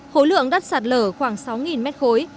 khối lượng đất sạt lở khoảng sáu mét khối